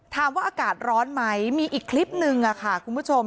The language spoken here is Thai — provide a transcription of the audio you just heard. อากาศร้อนไหมมีอีกคลิปนึงค่ะคุณผู้ชม